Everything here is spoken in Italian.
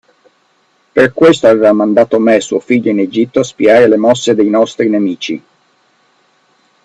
Per questo aveva mandato me, suo figlio, in Egitto a spiare le mosse dei nostri nemici.